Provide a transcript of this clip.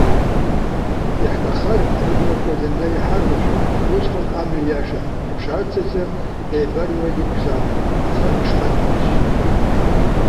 Иаҳҭаххар, рыблақәа зынӡа иҳарлашәуан, усҟан амҩа иаша рыԥшаарц азы иеибарыҩуа иқәзаауан, аха ишԥарбарыз?